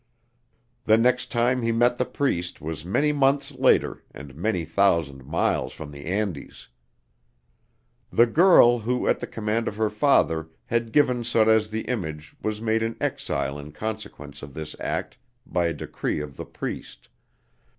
The next time he met the Priest was many months later and many thousand miles from the Andes. The girl who, at the command of her father, had given Sorez the image was made an exile in consequence of this act by a decree of the priest.